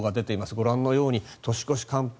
ご覧のように年越し寒気